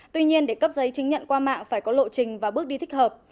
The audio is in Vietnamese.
tuy nhiên để cấp giấy chứng nhận qua mạng phải có lộ trình và bước đi thích hợp